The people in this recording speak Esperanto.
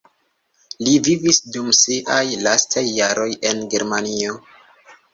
Li vivis dum siaj lastaj jaroj en Germanio.